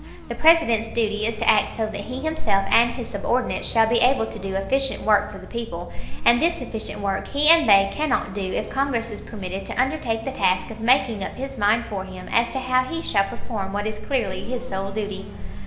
The President's duty is to act so that he himself and his subordinates shall be able to do efficient work for the people, and this efficient work he and they cannot do if Congress is permitted to undertake the task of making up his mind for him as to how he shall perform what is clearly his sole duty.